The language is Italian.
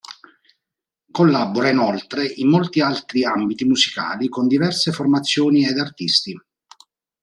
Collabora inoltre in molti altri ambiti musicali con diverse formazioni ed artisti.